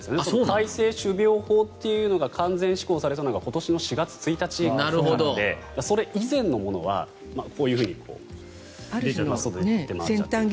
改正種苗法というのが完全施行されたのが今年の４月１日からなのでそれ以前のものはこういうふうに出回っちゃってる。